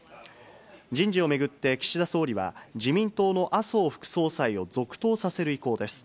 人事を巡って岸田総理は、自民党の麻生副総裁を続投させる意向です。